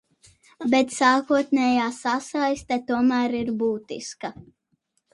Bet sākotnējā sasaiste tomēr ir būtiska.